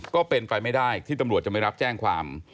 ก็เป็นไปไม่ได้ที่ตำรวจจะไม่รับแจ้งความ